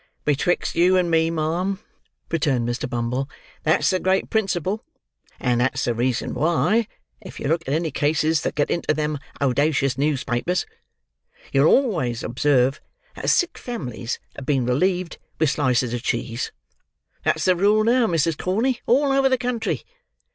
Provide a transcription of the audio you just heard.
Betwixt you and me, ma'am," returned Mr. Bumble, "that's the great principle; and that's the reason why, if you look at any cases that get into them owdacious newspapers, you'll always observe that sick families have been relieved with slices of cheese. That's the rule now, Mrs. Corney, all over the country.